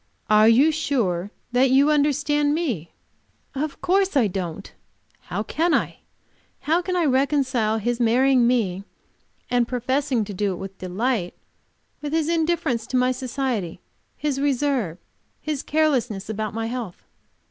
Are you sure that you understand me?" Of course I don't. How can I? How can I reconcile his marrying me and professing to do it with delight, with his indifference to my society, his reserve, his carelessness about my health?